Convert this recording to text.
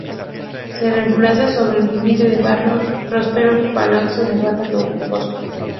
Se emplazaba sobre el límite del barrio Prospero Palazzo con el barrio Don bosco.